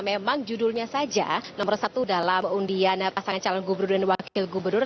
memang judulnya saja nomor satu dalam undian pasangan calon gubernur dan wakil gubernur